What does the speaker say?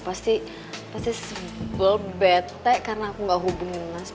pasti sebel bete karena aku gak hubungin mas